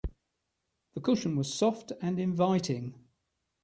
The cushion was soft and inviting.